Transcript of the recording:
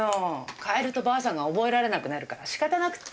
変えるとばあさんが覚えられなくなるからしかたなくって。